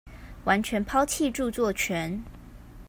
完全拋棄著作權